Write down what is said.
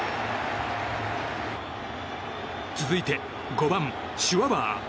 続いて、５番シュワバー。